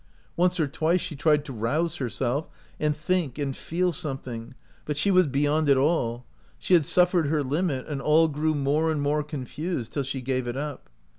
Once or twice she tried to rouse herself, and think and feel something, but she was beyond it all ; she had suffered her limit, and all grew more and more confused, till she gave it up.